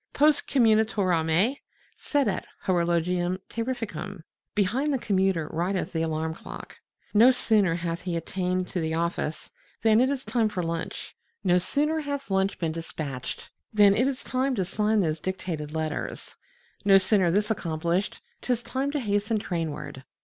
Post commutatorem sedet horologium terrificum, behind the commuter rideth the alarm clock, no sooner hath he attained to the office than it is time for lunch, no sooner hath lunch been dispatched than it is time to sign those dictated letters, no sooner this accomplished, 'tis time to hasten trainward.